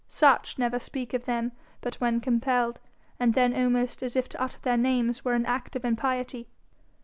Such never speak of them but when compelled, and then almost as if to utter their names were an act of impiety.